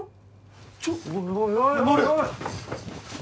ちょっおいおいおいマモル！